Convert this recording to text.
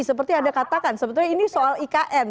seperti anda katakan sebetulnya ini soal ikn